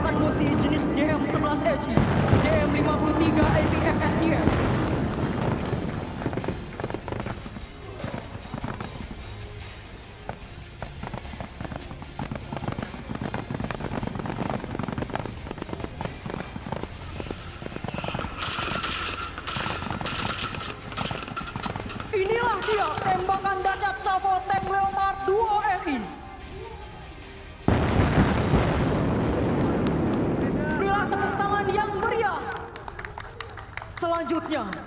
produksi pt pindahat indonesia